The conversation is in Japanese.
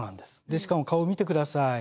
でしかも顔見てください。